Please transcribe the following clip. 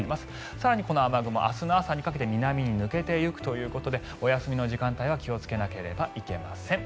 更にこの雨雲は明日の朝にかけて南に抜けていくということでお休みの時間帯は気をつけなければなりません。